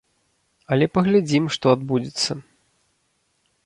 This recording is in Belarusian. Але паглядзім, што адбудзецца.